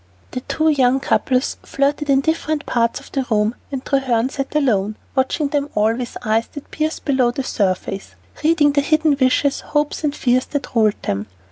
The two young couples flirted in different parts of the room, and Treherne sat alone, watching them all with eyes that pierced below the surface, reading the hidden wishes, hopes, and fears that ruled them.